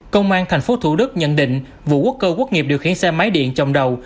công an tp thủ đức nhận định vụ quốc cơ quốc nghiệp điều khiển xe máy điện chồng đầu